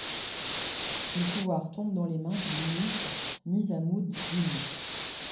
Le pouvoir tombe dans les mains du ministre Nizam-ud-din.